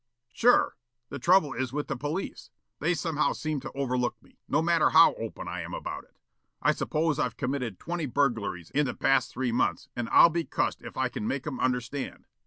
"Sure. The trouble is with the police. They somehow seem to overlook me, no matter how open I am about it. I suppose I've committed twenty burglaries in the past three months and I'll be cussed if I can make 'em understand.